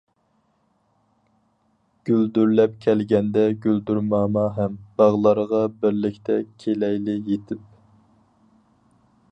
گۈلدۈرلەپ كەلگەندە گۈلدۈرماما ھەم، باغلارغا بىرلىكتە كېلەيلى يىتىپ.